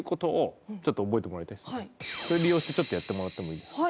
それを利用してちょっとやってもらってもいいですか？